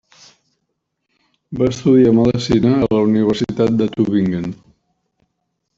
Va estudiar medicina a la universitat de Tübingen.